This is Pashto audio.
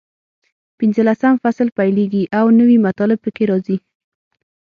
پینځلسم فصل پیلېږي او نوي مطالب پکې راځي.